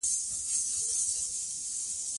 د احمد شاه بابا دور د افغانانو د اتلولی دوره وه.